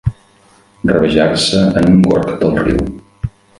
Rabejar-se en un gorg del riu.